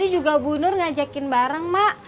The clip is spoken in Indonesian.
ini juga bu nur ngajakin bareng mak